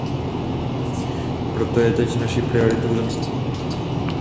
Proto je teď naší prioritou zaměstnanost.